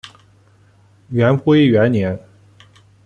元龟元年。